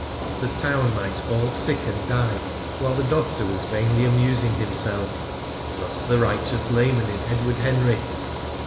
Half the town might fall sick and die while the doctor was vainly amusing himself. Thus the righteous layman in Edward Henry!